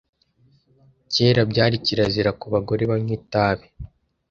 Kera byari kirazira kubagore banywa itabi.